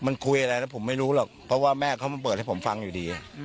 มันคุยอะไรแล้วผมไม่รู้หรอกเพราะว่าแม่เขามาเปิดให้ผมฟังอยู่ดี